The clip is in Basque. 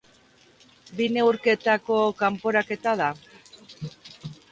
Bi neurketako kanporaketa da.